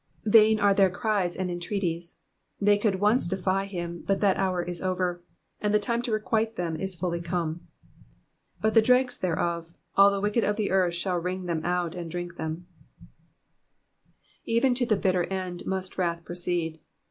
Vain are their cries and en treaties. They could once defy him, but that hour is over, and the time to requite them is fully come. But the dregs thereof all the wicked of the earth shall wring them out^ and drink them,'*'* Even to the bitter end must wrath proceed.